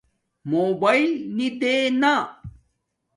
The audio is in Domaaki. موباݵل نی دے نا